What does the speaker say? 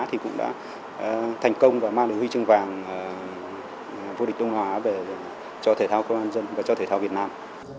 thì cũng đã thành công và mang được huy chương vàng vô địch đông nam á cho thể thao công an nhân và cho thể thao việt nam